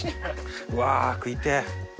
うわあ食いてえ。